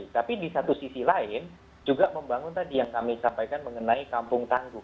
tapi di satu sisi lain juga membangun tadi yang kami sampaikan mengenai kampung tangguh